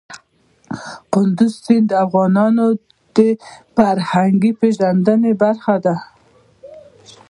کندز سیند د افغانانو د فرهنګي پیژندنې برخه ده.